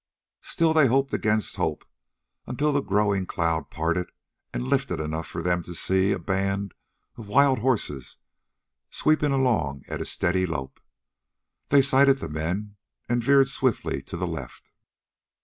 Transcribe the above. Still they hoped against hope until the growing cloud parted and lifted enough for them to see a band of wild horses sweeping along at a steady lope. They sighted the men and veered swiftly to the left.